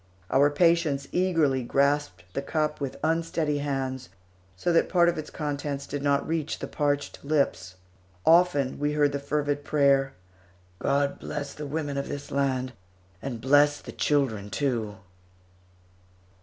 Our patients eagerly grasped the cup with unsteady hands, so that part of its contents did not reach the parched lips. Often, we heard the fervid prayer, "God bless the women of this land, and bless the children too!"